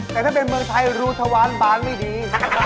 แต่ถ้าเป็นเมืองไทยรูทวารบานไม่ดี